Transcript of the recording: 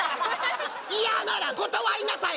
嫌なら断りなさい！